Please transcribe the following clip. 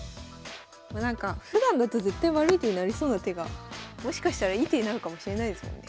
もうなんかふだんだと絶対悪い手になりそうな手がもしかしたらいい手になるかもしれないですもんね。